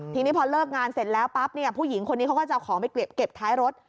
ทีนี้พอเลิกงานเสร็จแล้วปั๊บเนี่ยผู้หญิงคนนี้เขาก็จะเอาของไปเก็บท้ายรถ